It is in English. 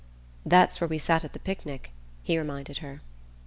"There's where we sat at the picnic," he reminded her.